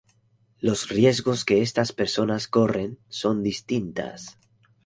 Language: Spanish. Los riesgos que estas personas corren son distintas.